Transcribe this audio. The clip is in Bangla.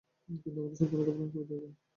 কিন্তু আমাদের সাবধানতা অবলম্বন করিতে হইবে।